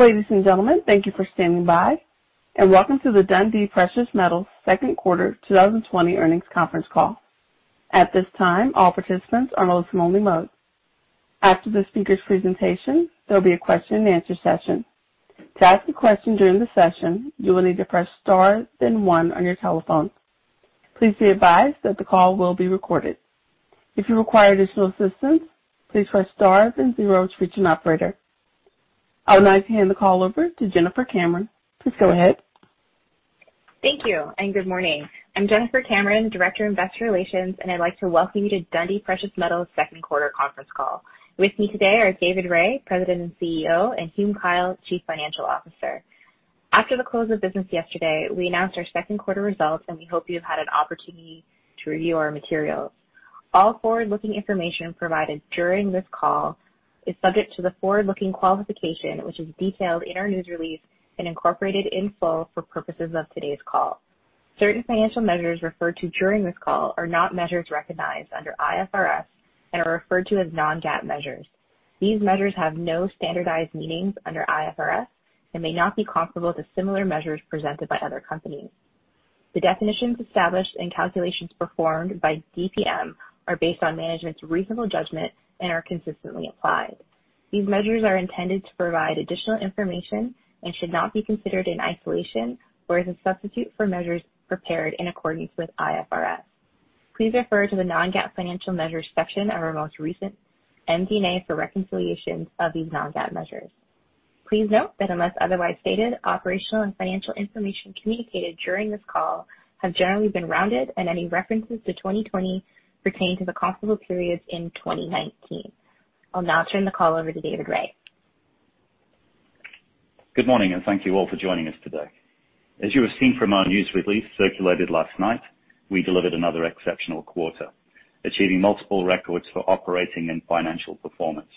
Ladies and gentlemen, thank you for standing by, welcome to the Dundee Precious Metals second quarter 2020 earnings conference call. At this time, all participants are in listen-only mode. After the speaker's presentation, there'll be a question-and-answer session. To ask a question during the session, you will need to press star then one on your telephone. Please be advised that the call will be recorded. If you require additional assistance, please press star then zero to reach an operator. I would now like to hand the call over to Jennifer Cameron. Please go ahead. Thank you, and good morning. I'm Jennifer Cameron, Director of Investor Relations, and I'd like to welcome you to Dundee Precious Metals second quarter conference call. With me today are David Rae, President and CEO, and Hume Kyle, Chief Financial Officer. After the close of business yesterday, we announced our second quarter results, and we hope you have had an opportunity to review our materials. All forward-looking information provided during this call is subject to the forward-looking qualification, which is detailed in our news release and incorporated in full for purposes of today's call. Certain financial measures referred to during this call are not measures recognized under IFRS and are referred to as non-GAAP measures. These measures have no standardized meanings under IFRS and may not be comparable to similar measures presented by other companies. The definitions established and calculations performed by DPM are based on management's reasonable judgment and are consistently applied. These measures are intended to provide additional information and should not be considered in isolation or as a substitute for measures prepared in accordance with IFRS. Please refer to the non-GAAP financial measures section of our most recent MD&A for reconciliations of these non-GAAP measures. Please note that unless otherwise stated, operational and financial information communicated during this call have generally been rounded, and any references to 2020 pertain to the comparable periods in 2019. I'll now turn the call over to David Rae. Good morning, and thank you all for joining us today. As you have seen from our news release circulated last night, we delivered another exceptional quarter, achieving multiple records for operating and financial performance.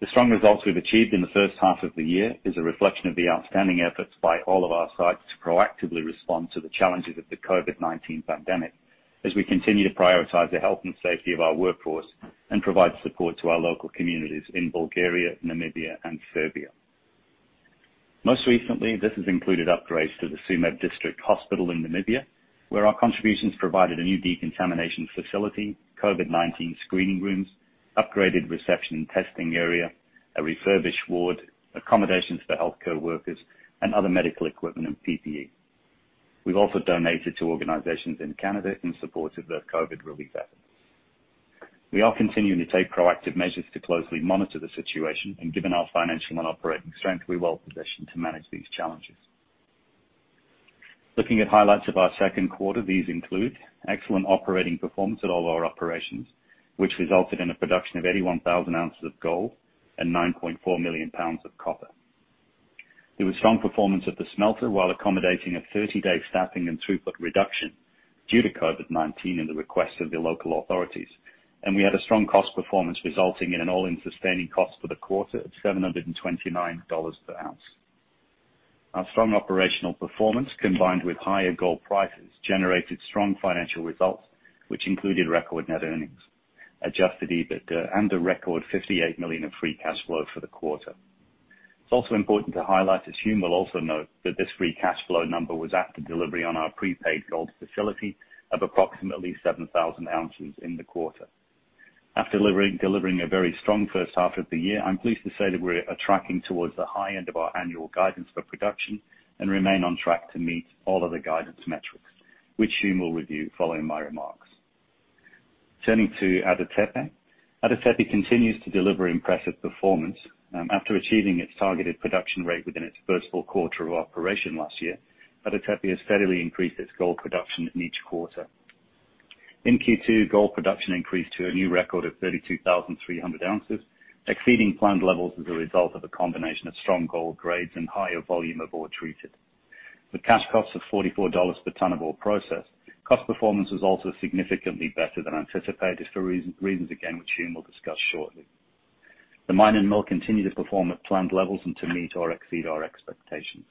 The strong results we've achieved in the first half of the year is a reflection of the outstanding efforts by all of our sites to proactively respond to the challenges of the COVID-19 pandemic, as we continue to prioritize the health and safety of our workforce and provide support to our local communities in Bulgaria, Namibia, and Serbia. Most recently, this has included upgrades to the Tsumeb district hospital in Namibia, where our contributions provided a new decontamination facility, COVID-19 screening rooms, upgraded reception and testing area, a refurbished ward, accommodations for healthcare workers, and other medical equipment and PPE. We've also donated to organizations in Canada in support of their COVID relief efforts. We are continuing to take proactive measures to closely monitor the situation, given our financial and operating strength, we're well positioned to manage these challenges. Looking at highlights of our second quarter, these include excellent operating performance at all our operations, which resulted in a production of 81,000 oz of gold and 9.4 million pounds of copper. There was strong performance at the smelter while accommodating a 30-day staffing and throughput reduction due to COVID-19 and the request of the local authorities, we had a strong cost performance resulting in an all-in sustaining cost for the quarter of $729 per ounce. Our strong operational performance, combined with higher gold prices, generated strong financial results, which included record net earnings, adjusted EBITDA, and a record $58 million of free cash flow for the quarter. It's also important to highlight, as Hume will also note, that this free cash flow number was after delivery on our prepaid gold facility of approximately 7,000 oz in the quarter. After delivering a very strong first half of the year, I'm pleased to say that we are tracking towards the high end of our annual guidance for production and remain on track to meet all other guidance metrics, which Hume will review following my remarks. Turning to Ada Tepe. Ada Tepe continues to deliver impressive performance. After achieving its targeted production rate within its first full quarter of operation last year, Ada Tepe has steadily increased its gold production in each quarter. In Q2, gold production increased to a new record of 32,300 oz, exceeding planned levels as a result of a combination of strong gold grades and higher volume of ore treated. With cash costs of $44 per ton of ore processed, cost performance was also significantly better than anticipated for reasons, again, which Hume will discuss shortly. The mine and mill continue to perform at planned levels and to meet or exceed our expectations.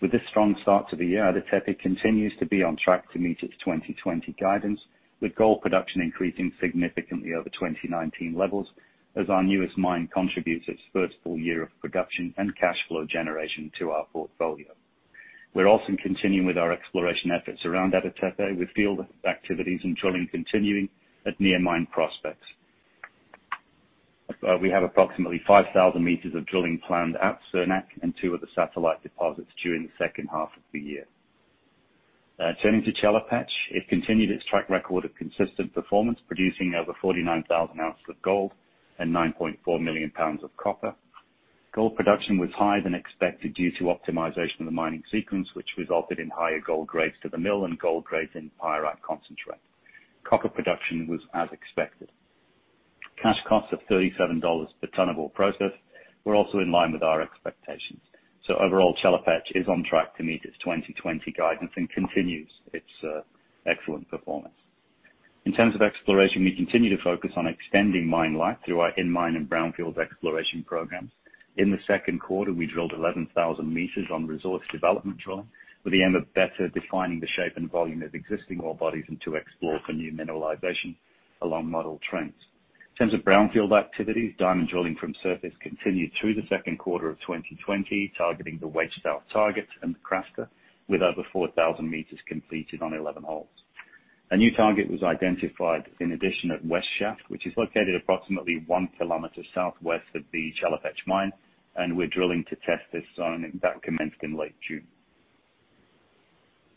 With this strong start to the year, Ada Tepe continues to be on track to meet its 2020 guidance, with gold production increasing significantly over 2019 levels as our newest mine contributes its first full year of production and cash flow generation to our portfolio. We're also continuing with our exploration efforts around Ada Tepe, with field activities and drilling continuing at near-mine prospects. We have approximately 5,000 m of drilling planned at Surnak and two other satellite deposits during the second half of the year. Turning to Chelopech. It continued its track record of consistent performance, producing over 49,000 oz of gold and 9.4 million pounds of copper. Gold production was higher than expected due to optimization of the mining sequence, which resulted in higher gold grades to the mill and gold grades in pyrite concentrate. Copper production was as expected. Cash costs of $37 per ton of ore processed were also in line with our expectations. Overall, Chelopech is on track to meet its 2020 guidance and continues its excellent performance. In terms of exploration, we continue to focus on extending mine life through our in-mine and brownfields exploration programs. In the second quarter, we drilled 11,000 m on resource development drilling with the aim of better defining the shape and volume of existing ore bodies and to explore for new mineralization along model trends. In terms of brownfield activity, diamond drilling from surface continued through the second quarter of 2020, targeting the Wedge South target and Krasta with over 4,000 m completed on 11 holes. A new target was identified in addition at West Shaft, which is located approximately 1 km southwest of the Chelopech Mine. We're drilling to test this zone, and that commenced in late June.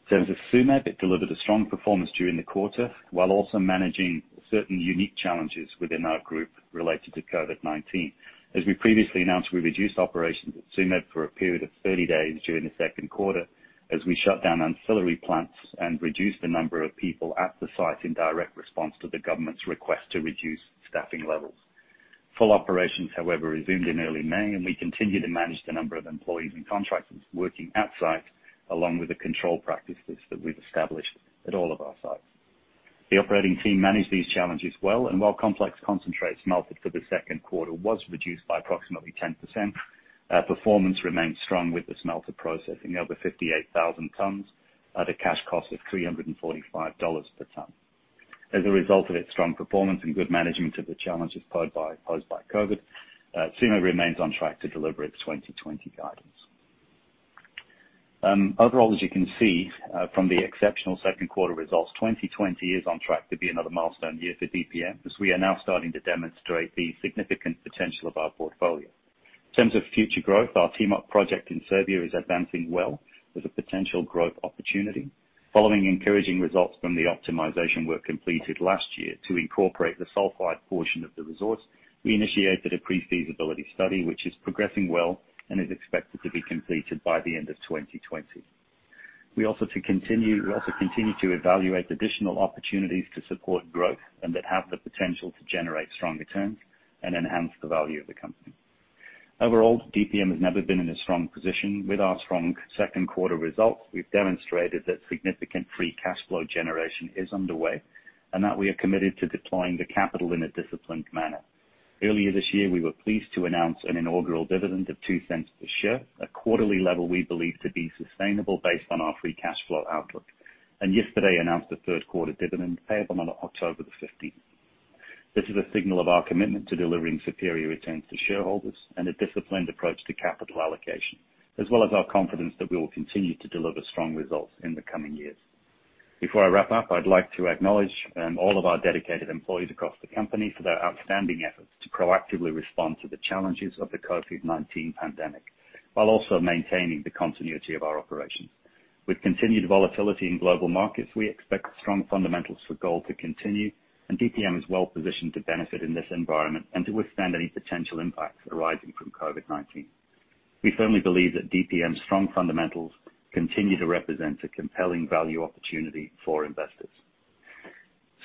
In terms of Tsumeb, it delivered a strong performance during the quarter, while also managing certain unique challenges within our group related to COVID-19. As we previously announced, we reduced operations at Tsumeb for a period of 30 days during the second quarter, as we shut down ancillary plants and reduced the number of people at the site in direct response to the government's request to reduce staffing levels. Full operations, however, resumed in early May, and we continue to manage the number of employees and contractors working at site, along with the control practices that we've established at all of our sites. The operating team managed these challenges well, and while complex concentrates melted for the second quarter was reduced by approximately 10%, our performance remains strong with the smelter processing over 58,000 tons at a cash cost of $345 per ton. As a result of its strong performance and good management of the challenges posed by COVID, Tsumeb remains on track to deliver its 2020 guidance. Overall, as you can see from the exceptional second quarter results, 2020 is on track to be another milestone year for DPM as we are now starting to demonstrate the significant potential of our portfolio. In terms of future growth, our Timok project in Serbia is advancing well with a potential growth opportunity. Following encouraging results from the optimization work completed last year to incorporate the sulfide portion of the resource, we initiated a pre-feasibility study, which is progressing well and is expected to be completed by the end of 2020. We also continue to evaluate additional opportunities to support growth and that have the potential to generate strong returns and enhance the value of the company. Overall, DPM has never been in a strong position. With our strong second quarter results, we've demonstrated that significant free cash flow generation is underway and that we are committed to deploying the capital in a disciplined manner. Earlier this year, we were pleased to announce an inaugural dividend of $0.02 per share, a quarterly level we believe to be sustainable based on our free cash flow outlook. Yesterday announced a third quarter dividend payable on October 15th. This is a signal of our commitment to delivering superior returns to shareholders and a disciplined approach to capital allocation, as well as our confidence that we will continue to deliver strong results in the coming years. Before I wrap up, I'd like to acknowledge all of our dedicated employees across the company for their outstanding efforts to proactively respond to the challenges of the COVID-19 pandemic, while also maintaining the continuity of our operations. With continued volatility in global markets, we expect strong fundamentals for gold to continue, DPM is well positioned to benefit in this environment and to withstand any potential impacts arising from COVID-19. We firmly believe that DPM's strong fundamentals continue to represent a compelling value opportunity for investors.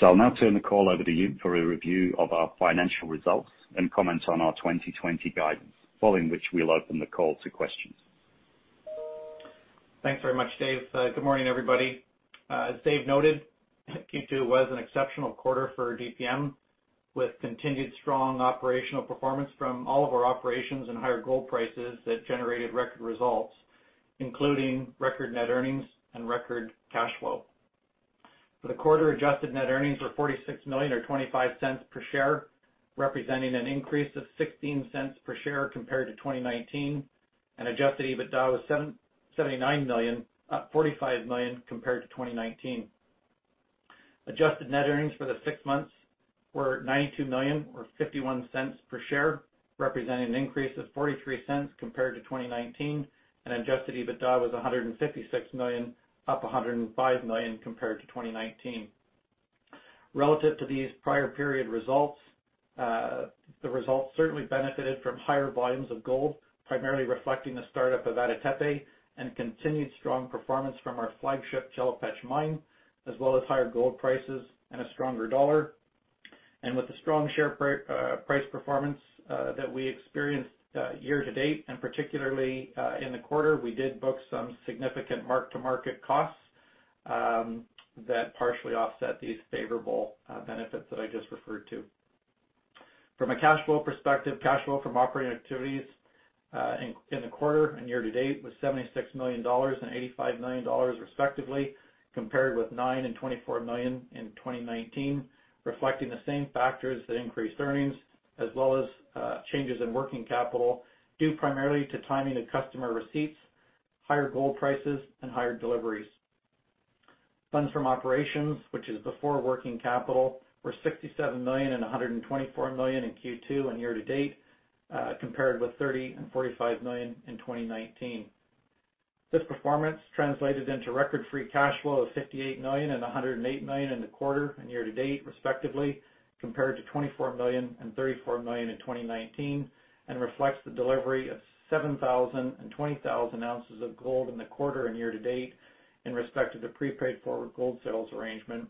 I'll now turn the call over to Hume for a review of our financial results and comments on our 2020 guidance, following which we'll open the call to questions. Thanks very much, Dave. Good morning, everybody. As Dave noted, Q2 was an exceptional quarter for DPM, with continued strong operational performance from all of our operations and higher gold prices that generated record results, including record net earnings and record cash flow. For the quarter, adjusted net earnings were $46 million or $0.25 per share, representing an increase of $0.16 per share compared to 2019, and adjusted EBITDA was $79 million, up $45 million compared to 2019. Adjusted net earnings for the six months were $92 million or $0.51 per share, representing an increase of $0.43 compared to 2019, and adjusted EBITDA was $156 million, up $105 million compared to 2019. Relative to these prior-period results, the results certainly benefited from higher volumes of gold, primarily reflecting the start-up of Ada Tepe and continued strong performance from our flagship Chelopech Mine, as well as higher gold prices and a stronger dollar. With the strong share price performance that we experienced year to date and particularly in the quarter, we did book some significant mark-to-market costs that partially offset these favorable benefits that I just referred to. From a cash flow perspective, cash flow from operating activities in the quarter and year to date was $76 million and $85 million respectively, compared with $9 million and $24 million in 2019, reflecting the same factors that increased earnings, as well as changes in working capital, due primarily to timing of customer receipts, higher gold prices, and higher deliveries. Funds from operations, which is before working capital, were $67 million and $124 million in Q2 and year to date, compared with $30 million and $45 million in 2019. This performance translated into record free cash flow of $58 million and $108 million in the quarter and year to date, respectively, compared to $24 million and $34 million in 2019 and reflects the delivery of 7,000 and 20,000 oz of gold in the quarter and year to date in respect of the prepaid forward gold sales arrangement,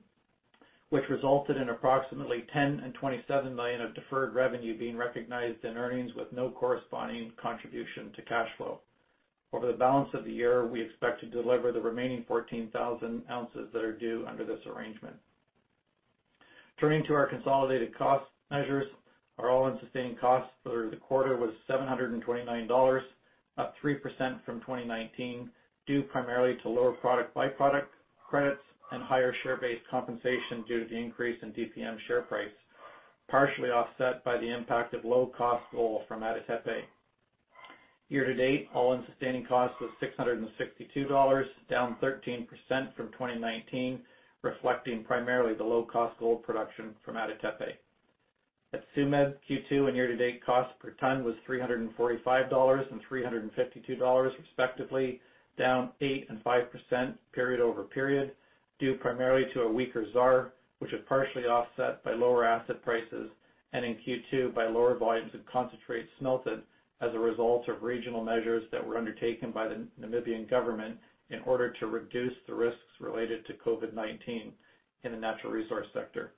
which resulted in approximately $10 million and $27 million of deferred revenue being recognized in earnings with no corresponding contribution to cash flow. Over the balance of the year, we expect to deliver the remaining 14,000 oz that are due under this arrangement. Turning to our consolidated cost measures, our all-in sustaining cost for the quarter was $729, up 3% from 2019, due primarily to lower byproduct credits and higher share-based compensation due to the increase in DPM share price, partially offset by the impact of low-cost gold from Ada Tepe. Year-to-date, all-in sustaining cost was $662, down 13% from 2019, reflecting primarily the low-cost gold production from Ada Tepe. At Tsumeb, Q2 and year-to-date cost per ton was $345 and $352 respectively, down 8% and 5% period-over-period, due primarily to a weaker ZAR, which is partially offset by lower acid prices and in Q2 by lower volumes of concentrate smelted as a result of regional measures that were undertaken by the Namibian government in order to reduce the risks related to COVID-19 in the natural resource sector.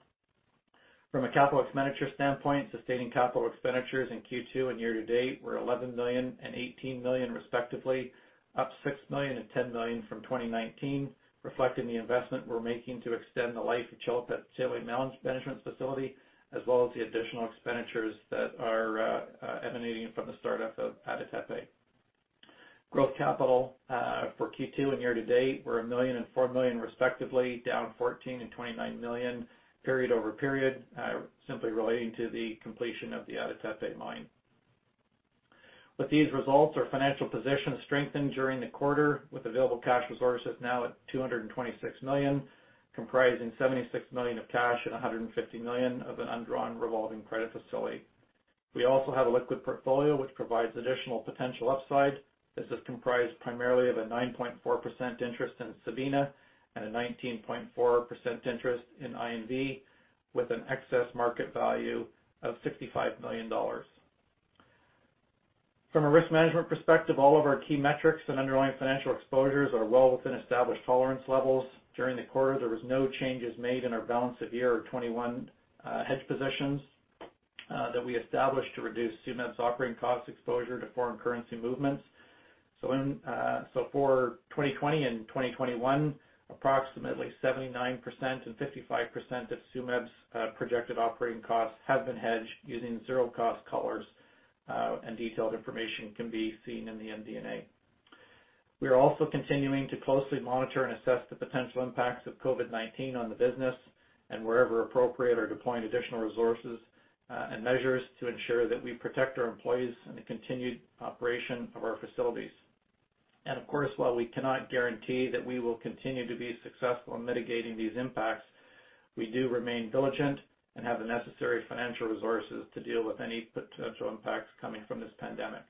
From a CapEx expenditure standpoint, sustaining capital expenditures in Q2 and year-to-date were $11 million and $18 million respectively, up $6 million and $10 million from 2019, reflecting the investment we're making to extend the life of Chelopech Tailings Management facility, as well as the additional expenditures that are emanating from the startup of Ada Tepe. Growth capital for Q2 and year-to-date were $1 million and $4 million respectively, down $14 million and $29 million period-over-period, simply relating to the completion of the Ada Tepe mine. With these results, our financial position strengthened during the quarter with available cash resources now at $226 million, comprising $76 million of cash and $150 million of an undrawn revolving credit facility. We also have a liquid portfolio which provides additional potential upside. This is comprised primarily of a 9.4% interest in Sabina and a 19.4% interest in INV, with an excess market value of $65 million. From a risk management perspective, all of our key metrics and underlying financial exposures are well within established tolerance levels. During the quarter, there was no changes made in our balance of year or 2021 hedge positions that we established to reduce Tsumeb's operating cost exposure to foreign currency movements. For 2020 and 2021, approximately 79% and 55% of Tsumeb's projected operating costs have been hedged using zero cost collars, and detailed information can be seen in the MD&A. We are also continuing to closely monitor and assess the potential impacts of COVID-19 on the business and wherever appropriate, are deploying additional resources, and measures to ensure that we protect our employees and the continued operation of our facilities. Of course, while we cannot guarantee that we will continue to be successful in mitigating these impacts, we do remain diligent and have the necessary financial resources to deal with any potential impacts coming from this pandemic.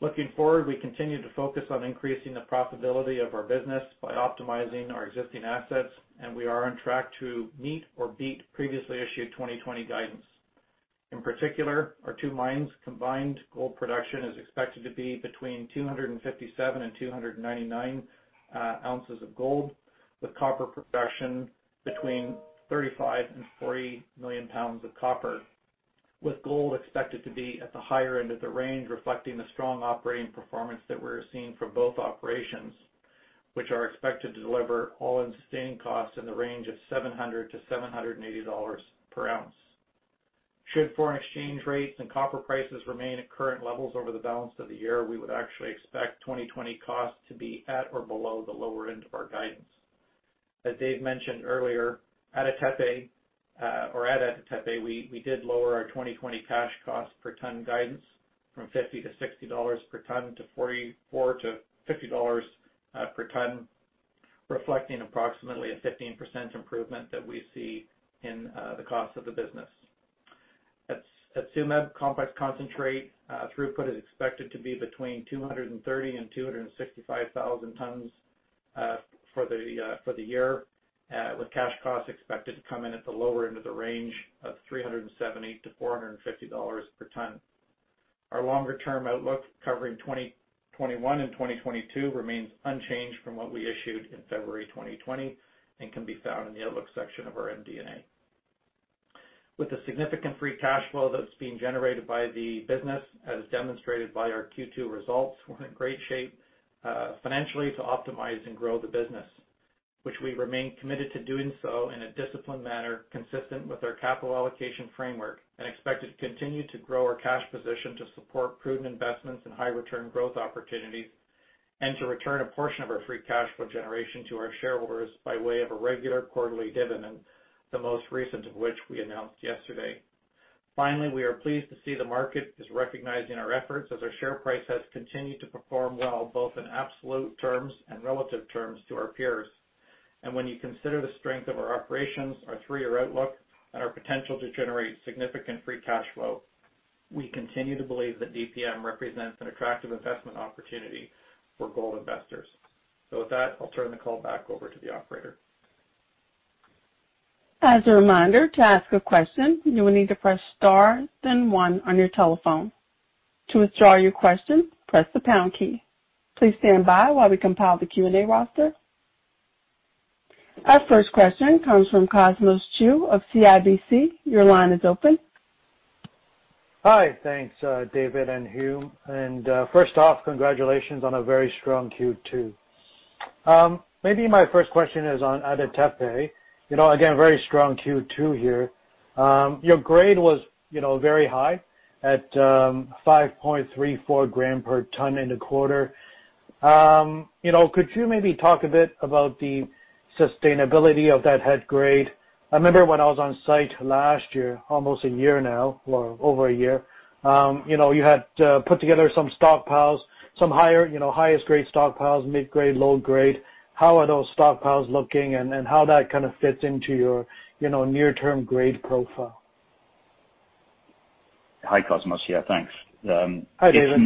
Looking forward, we continue to focus on increasing the profitability of our business by optimizing our existing assets, we are on track to meet or beat previously issued 2020 guidance. In particular, our two mines' combined gold production is expected to be between 257,000 and 299,000 oz of gold, with copper production between 35 and 40 million pounds of copper, with gold expected to be at the higher end of the range, reflecting the strong operating performance that we're seeing from both operations, which are expected to deliver all-in sustaining costs in the range of $700-$780 per ounce. Should foreign exchange rates and copper prices remain at current levels over the balance of the year, we would actually expect 2020 costs to be at or below the lower end of our guidance. As Dave mentioned earlier, at Ada Tepe, we did lower our 2020 cash cost per ton guidance from $50-$60 per ton to $44-$50 per ton, reflecting approximately a 15% improvement that we see in the cost of the business. At Tsumeb, complex concentrate throughput is expected to be between 230,000 and 265,000 tons for the year, with cash costs expected to come in at the lower end of the range of $378-$450 per ton. Our longer-term outlook covering 2021 and 2022 remains unchanged from what we issued in February 2020 and can be found in the outlook section of our MD&A. With the significant free cash flow that's being generated by the business, as demonstrated by our Q2 results, we're in great shape financially to optimize and grow the business, which we remain committed to doing so in a disciplined manner consistent with our capital allocation framework and expect to continue to grow our cash position to support prudent investments in high-return growth opportunities and to return a portion of our free cash flow generation to our shareholders by way of a regular quarterly dividend, the most recent of which we announced yesterday. Finally, we are pleased to see the market is recognizing our efforts as our share price has continued to perform well, both in absolute terms and relative terms to our peers. When you consider the strength of our operations, our three-year outlook, and our potential to generate significant free cash flow, we continue to believe that DPM represents an attractive investment opportunity for gold investors. With that, I'll turn the call back over to the operator. As a reminder, to ask a question, you will need to press star then one on your telephone. To withdraw your question, press the pound key. Please stand by while we compile the Q&A roster. Our first question comes from Cosmos Chiu of CIBC. Your line is open. Hi. Thanks, David and Hume. First off, congratulations on a very strong Q2. Maybe my first question is on Ada Tepe. Again, very strong Q2 here. Your grade was very high at 5.34 g per ton in the quarter. Could you maybe talk a bit about the sustainability of that head grade? I remember when I was on site last year, almost a year now, or over a year, you had put together some stockpiles, some highest grade stockpiles, mid-grade, low-grade. How are those stockpiles looking and how that kind of fits into your near-term grade profile? Hi, Cosmos. Yeah, thanks. Hi, David.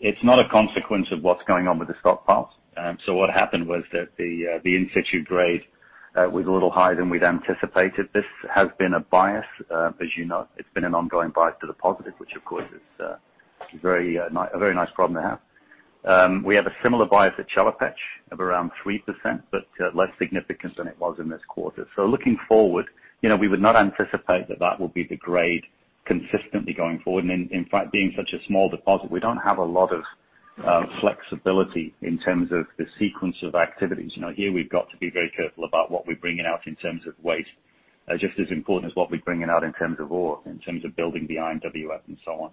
It's not a consequence of what's going on with the stockpiles. What happened was that the in-situ grade was a little higher than we'd anticipated. This has been a bias, as you know, it's been an ongoing bias to the positive, which of course is a very nice problem to have. We have a similar bias at Chelopech of around 3%, but less significant than it was in this quarter. Looking forward, we would not anticipate that that will be the grade consistently going forward. In fact, being such a small deposit, we don't have a lot of flexibility in terms of the sequence of activities. Here we've got to be very careful about what we're bringing out in terms of weight, just as important as what we're bringing out in terms of ore, in terms of building the IMWF and so on.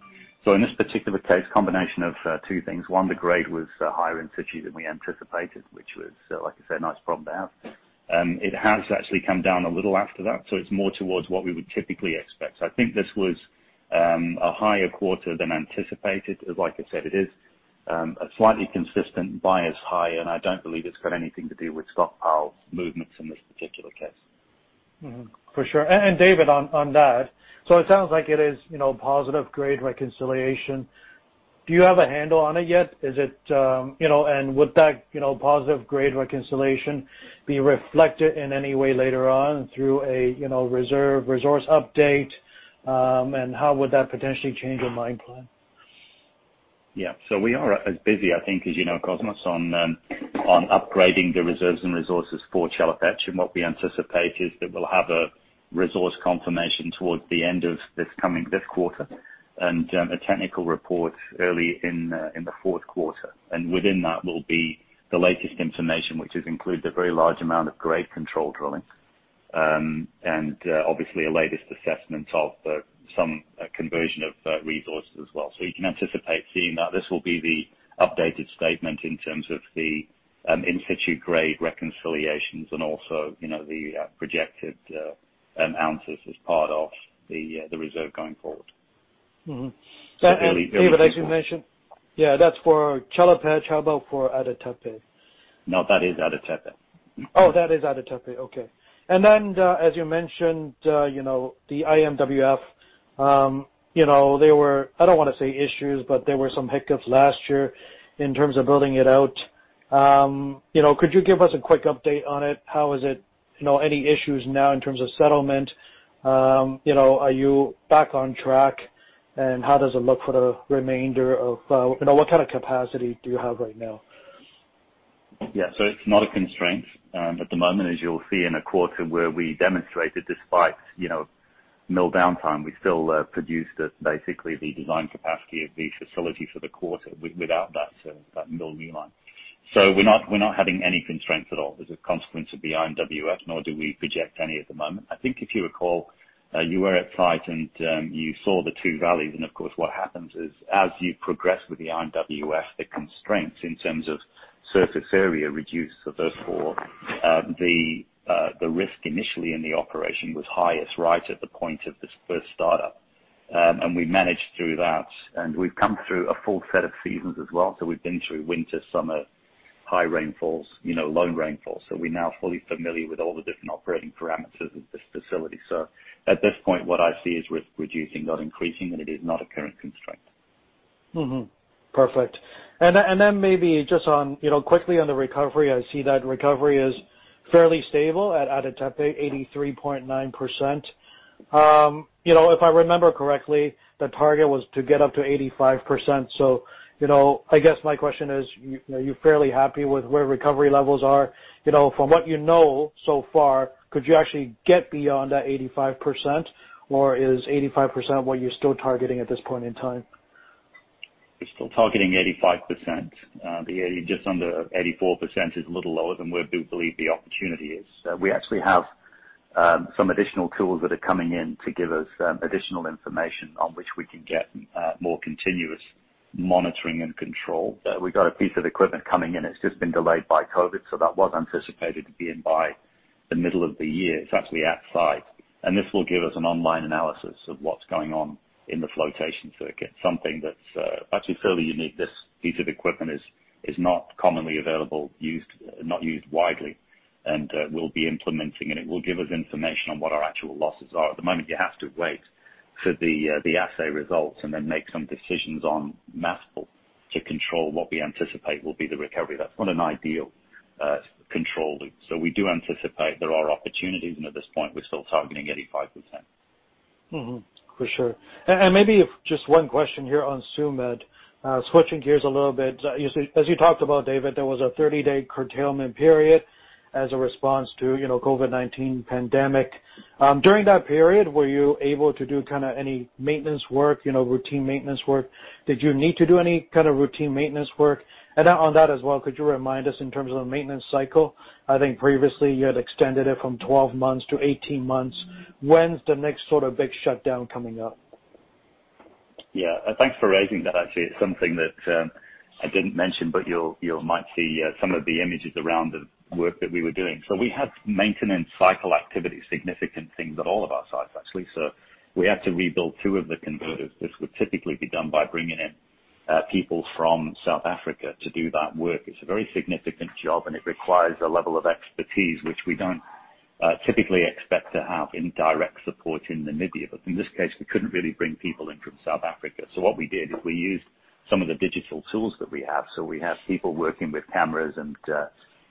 In this particular case, combination of two things. One, the grade was higher in-situ than we anticipated, which was, like I said, a nice problem to have. It has actually come down a little after that, so it's more towards what we would typically expect. I think this was a higher quarter than anticipated. Like I said, it is a slightly consistent bias high, and I don't believe it's got anything to do with stockpile movements in this particular case. For sure. David, on that, it sounds like it is positive grade reconciliation. Do you have a handle on it yet? Would that positive grade reconciliation be reflected in any way later on through a resource update? How would that potentially change a mine plan? Yeah. We are as busy, I think, as you know, Cosmos, on upgrading the reserves and resources for Chelopech. What we anticipate is that we'll have a resource confirmation towards the end of this quarter and a technical report early in the fourth quarter. Within that will be the latest information, which does include a very large amount of grade control drilling. Obviously a latest assessment of some conversion of resources as well. You can anticipate seeing that. This will be the updated statement in terms of the in-situ grade reconciliations and also the projected ounces as part of the reserve going forward. David, as you mentioned, that's for Chelopech. How about for Ada Tepe? No, that is Ada Tepe. Oh, that is Ada Tepe. Okay. As you mentioned, the IMWF. There were, I don't want to say issues, but there were some hiccups last year in terms of building it out. Could you give us a quick update on it? How is it, any issues now in terms of settlement? Are you back on track? How does it look for the remainder of, what kind of capacity do you have right now? Yeah. It's not a constraint at the moment, as you'll see in a quarter where we demonstrated despite mill downtime, we still produced at basically the design capacity of the facility for the quarter without that mill new line. We're not having any constraints at all as a consequence of the IMWF, nor do we project any at the moment. I think if you recall, you were at site and you saw the two valleys, and of course what happens is as you progress with the IMWF, the constraints in terms of surface area reduce. Therefore, the risk initially in the operation was highest right at the point of the first startup. We managed through that, and we've come through a full set of seasons as well. We've been through winter, summer, high rainfalls, low rainfalls. We're now fully familiar with all the different operating parameters of this facility. At this point, what I see is risk reducing, not increasing, and it is not a current constraint. Perfect. Then maybe just quickly on the recovery, I see that recovery is fairly stable at Ada Tepe, 83.9%. If I remember correctly, the target was to get up to 85%. I guess my question is, are you fairly happy with where recovery levels are? From what you know so far, could you actually get beyond that 85% or is 85% what you're still targeting at this point in time? We're still targeting 85%. The just under 84% is a little lower than where we believe the opportunity is. We actually have some additional tools that are coming in to give us additional information on which we can get more continuous monitoring and control. We've got a piece of equipment coming in. It's just been delayed by COVID, so that was anticipated to be in by the middle of the year. It's actually at site. This will give us an online analysis of what's going on in the flotation circuit. Something that's actually fairly unique. This piece of equipment is not commonly available, not used widely, and we'll be implementing and it will give us information on what our actual losses are. At the moment, you have to wait for the assay results and then make some decisions on mass pull to control what we anticipate will be the recovery. That's not an ideal control loop. We do anticipate there are opportunities, and at this point we're still targeting 85%. Mm-hmm, for sure. Maybe just one question here on Tsumeb. Switching gears a little bit, as you talked about, David, there was a 30-day curtailment period as a response to COVID-19 pandemic. During that period, were you able to do any maintenance work, routine maintenance work? Did you need to do any kind of routine maintenance work? On that as well, could you remind us in terms of the maintenance cycle, I think previously you had extended it from 12 months to 18 months. When is the next big shutdown coming up? Yeah. Thanks for raising that, actually. It's something that I didn't mention, but you might see some of the images around the work that we were doing. We have maintenance cycle activity, significant things at all of our sites, actually. We had to rebuild two of the converters, which would typically be done by bringing in people from South Africa to do that work. It's a very significant job, and it requires a level of expertise which we don't typically expect to have in direct support in Namibia. In this case, we couldn't really bring people in from South Africa. What we did is we used some of the digital tools that we have. We have people working with cameras and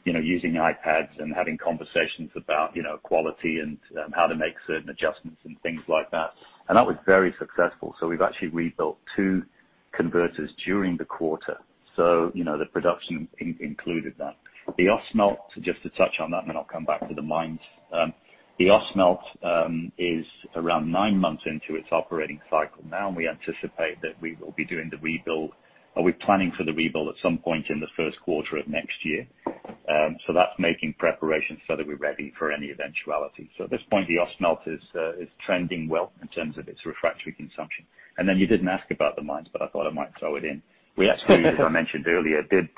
using iPads and having conversations about quality and how to make certain adjustments and things like that. That was very successful. We've actually rebuilt two converters during the quarter. The production included that. The Ausmelt, just to touch on that, and then I'll come back to the mines. The Ausmelt is around nine months into its operating cycle now, and we anticipate that we will be doing the rebuild, or we're planning for the rebuild at some point in the first quarter of next year. That's making preparations so that we're ready for any eventuality. At this point, the Ausmelt is trending well in terms of its refractory consumption. You didn't ask about the mines, but I thought I might throw it in. We actually, as I mentioned earlier, did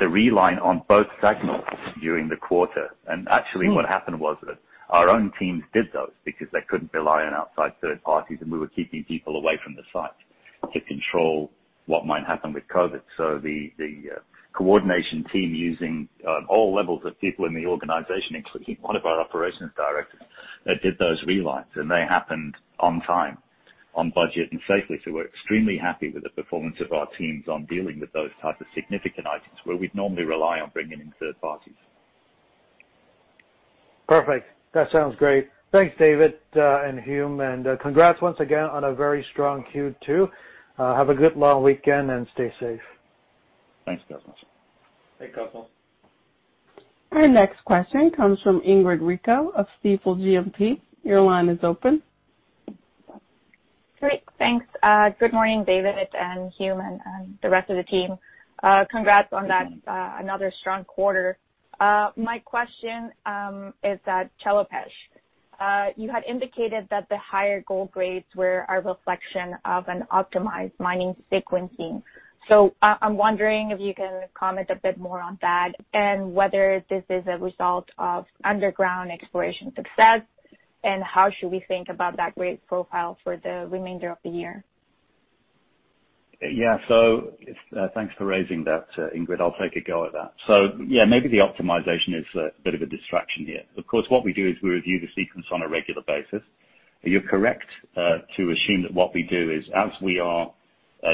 the reline on both SAG mills during the quarter. Actually, what happened was that our own teams did those because they couldn't rely on outside third parties, and we were keeping people away from the site to control what might happen with COVID. The coordination team using all levels of people in the organization, including one of our operations directors, that did those relines, and they happened on time, on budget, and safely. We're extremely happy with the performance of our teams on dealing with those types of significant items where we'd normally rely on bringing in third parties. Perfect. That sounds great. Thanks, David and Hume, and congrats once again on a very strong Q2. Have a good long weekend and stay safe. Thanks, Cosmos. Thanks, Cosmos. Our next question comes from Ingrid Rico of Stifel GMP. Your line is open. Great. Thanks. Good morning, David and Hume, and the rest of the team. Congrats on another strong quarter. My question is at Chelopech. You had indicated that the higher gold grades were a reflection of an optimized mining sequencing. I'm wondering if you can comment a bit more on that and whether this is a result of underground exploration success, and how should we think about that grade profile for the remainder of the year? Yeah. Thanks for raising that, Ingrid. I'll take a go at that. Yeah, maybe the optimization is a bit of a distraction here. Of course, what we do is we review the sequence on a regular basis. You're correct to assume that what we do is as we are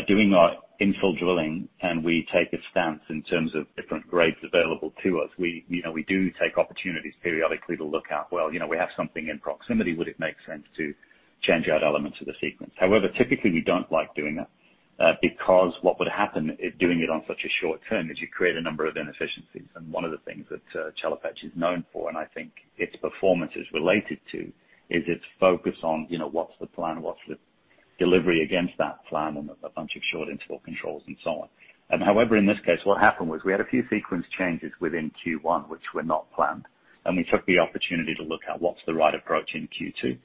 doing our infill drilling and we take a stance in terms of different grades available to us, we do take opportunities periodically to look at, well, we have something in proximity, would it make sense to change out elements of the sequence? Typically, we don't like doing that because what would happen is doing it on such a short term is you create a number of inefficiencies. One of the things that Chelopech is known for, and I think its performance is related to, is its focus on what's the plan, what's the delivery against that plan on a bunch of short interval controls and so on. However, in this case, what happened was we had a few sequence changes within Q1 which were not planned, and we took the opportunity to look at what's the right approach in Q2.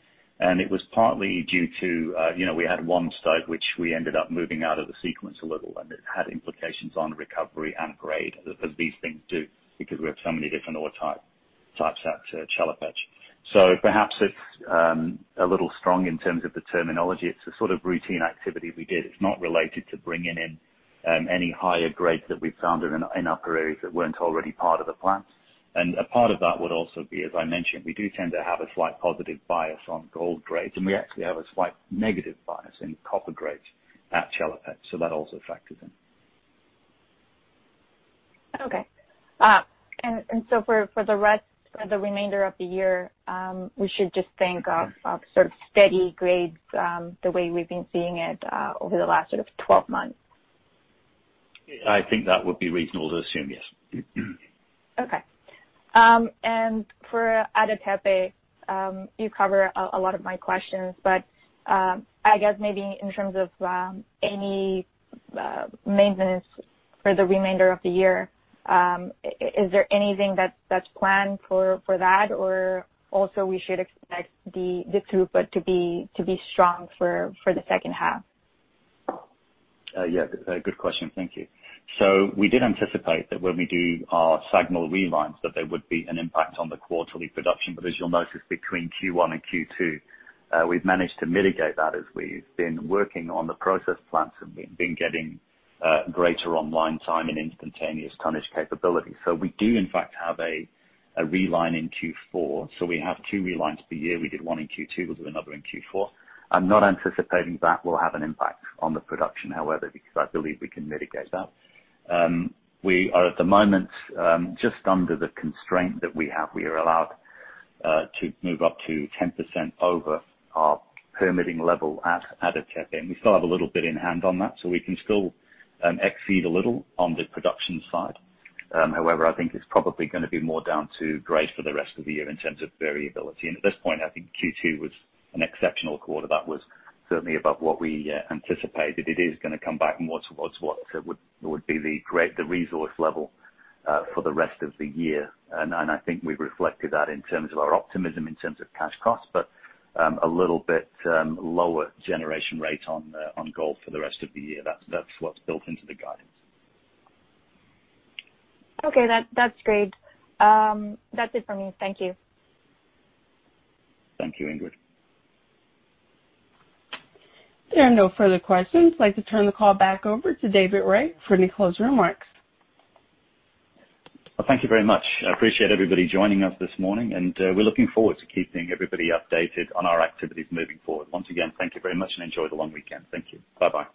It was partly due to, we had one stope which we ended up moving out of the sequence a little, and it had implications on recovery and grade, as these things do, because we have so many different ore types at Chelopech. Perhaps it's a little strong in terms of the terminology. It's a sort of routine activity we did. It's not related to bringing in any higher grades that we've found in upper areas that weren't already part of the plant. A part of that would also be, as I mentioned, we do tend to have a slight positive bias on gold grades, and we actually have a slight negative bias in copper grades at Chelopech. That also factored in. Okay. For the remainder of the year, we should just think of sort of steady grades, the way we've been seeing it over the last 12 months. I think that would be reasonable to assume, yes. Okay. For Ada Tepe, you covered a lot of my questions, but I guess maybe in terms of any maintenance for the remainder of the year, is there anything that's planned for that? Also we should expect the throughput to be strong for the second half? Yeah, good question. Thank you. We did anticipate that when we do our SAG mill relines that there would be an impact on the quarterly production, but as you'll notice between Q1 and Q2, we've managed to mitigate that as we've been working on the process plants and been getting greater online time and instantaneous tonnage capability. We do in fact have a reline in Q4. We have two relines per year. We did one in Q2. We'll do another in Q4. I'm not anticipating that will have an impact on the production, however, because I believe we can mitigate that. We are at the moment just under the constraint that we have. We are allowed to move up to 10% over our permitting level at Ada Tepe. We still have a little bit in hand on that. We can still exceed a little on the production side. However, I think it's probably going to be more down to grades for the rest of the year in terms of variability. At this point, I think Q2 was an exceptional quarter. That was certainly above what we anticipated. It is going to come back more towards what would be the resource level for the rest of the year. I think we've reflected that in terms of our optimism, in terms of cash cost, but a little bit lower generation rate on gold for the rest of the year. That's what's built into the guidance. Okay. That's great. That's it for me. Thank you. Thank you, Ingrid. There are no further questions. I'd like to turn the call back over to David Rae for any closing remarks. Thank you very much. I appreciate everybody joining us this morning, and we're looking forward to keeping everybody updated on our activities moving forward. Once again, thank you very much and enjoy the long weekend. Thank you. Bye-bye.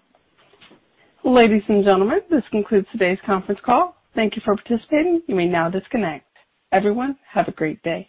Ladies and gentlemen, this concludes today's conference call. Thank you for participating. You may now disconnect. Everyone, have a great day.